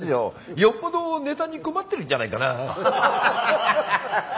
よっぽどネタに困ってるんじゃないかな。